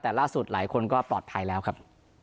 แต่ล่าสุดหลายคนก็ปลอดภัยแล้วครับ